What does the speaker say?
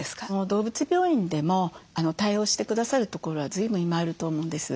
動物病院でも対応してくださるところはずいぶん今あると思うんです。